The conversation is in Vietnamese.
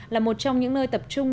là một trong những nơi tập trung